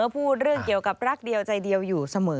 พูดเรื่องเกี่ยวกับรักเดียวใจเดียวอยู่เสมอ